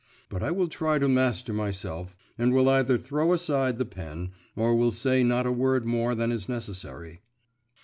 … But I will try to master myself, and will either throw aside the pen, or will say not a word more than is necessary.